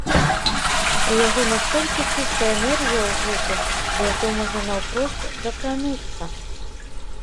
У яго настолькі чыстая энергія ў гуку, да якой можна наўпрост дакрануцца!